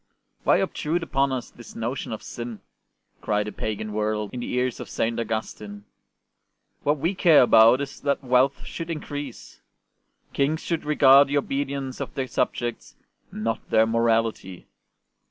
'' Why obtrude upon us this notion of sin ?" cried the pagan world in the ears of St. Augustine. '' What we care about is that wealth should increase. Kings should regard the obedience of their subjects, not their morality.